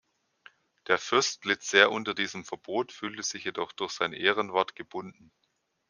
Der Fürst litt sehr unter diesem Verbot, fühlte sich jedoch durch sein Ehrenwort gebunden.